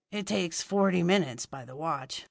It takes forty minutes by the watch.